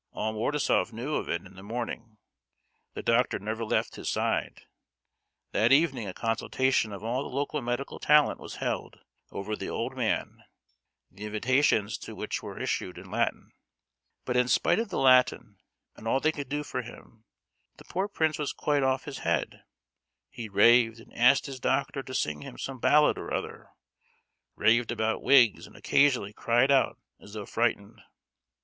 All Mordasof knew of it in the morning; the doctor never left his side. That evening a consultation of all the local medical talent was held over the old man (the invitations to which were issued in Latin); but in spite of the Latin and all they could do for him, the poor prince was quite off his head; he raved and asked his doctor to sing him some ballad or other; raved about wigs, and occasionally cried out as though frightened.